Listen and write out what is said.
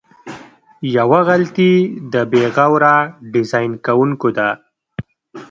یوه غلطي د بې غوره ډیزاین کوونکو ده.